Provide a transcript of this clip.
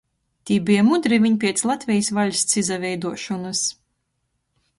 Tī beja mudri viņ piec Latvejis vaļsts izaveiduošonys.